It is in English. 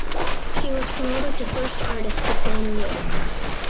She was promoted to First Artist the same year.